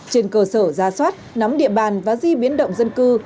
trên cơ sở ra soát nắm địa bàn và di biến động dân cư